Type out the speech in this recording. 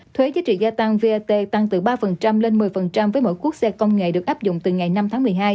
thuế giá trị gia tăng vat tăng từ ba lên một mươi với mỗi quốc xe công nghệ được áp dụng từ ngày năm tháng một mươi hai